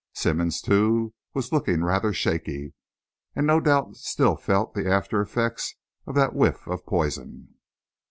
Simmonds, too, was looking rather shaky, and no doubt still felt the after effects of that whiff of poison.